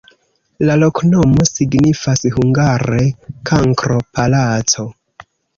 La loknomo signifas hungare: kankro-palaco.